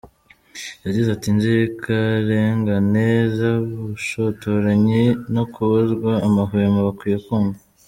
Yagize ati “Inzirakarengane z’ubushotoranyi no kubuzwa amahwemo bakwiye kumvwa.